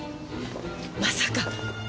まさか。